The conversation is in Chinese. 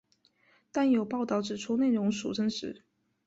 但有报导指出内容属真实。